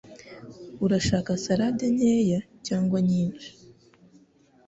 Urashaka salade nkeya cyangwa nyinshi?